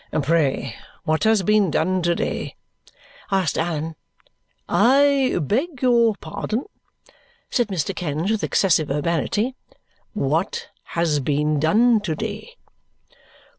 "Pray what has been done to day?" asked Allan. "I beg your pardon?" said Mr. Kenge with excessive urbanity. "What has been done to day?"